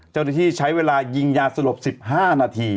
เจ้าหน้าที่ใช้เวลายิงยาสลบ๑๕นาที